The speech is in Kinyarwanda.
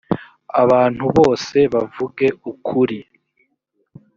abantu bose bavuge ukuri.